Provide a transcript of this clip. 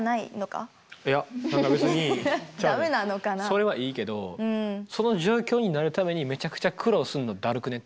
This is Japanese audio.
それはいいけどその状況になるためにめちゃくちゃ苦労するのだるくね？